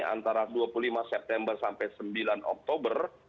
antara dua puluh lima september sampai sembilan oktober